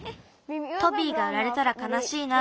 トビーがうられたらかなしいな。